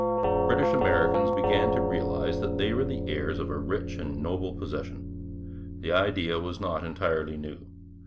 British Americans began to realize that they were the heirs of a rich and noble possession. The idea was not entirely new.